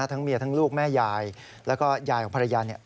ทั้งเมียทั้งลูกแม่ยายแล้วก็ยายของภรรยา